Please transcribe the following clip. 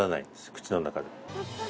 口の中で。